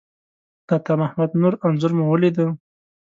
د عطامحمد نور انځور مو ولیده.